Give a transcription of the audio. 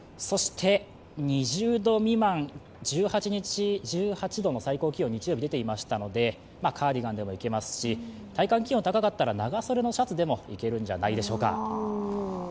２０度未満、１８日、１８度の最高気温が日曜日は出ていましたので、カーディガンでもいけますし体感気温が高かったら長袖のシャツでもいけるんじゃないでしょうか。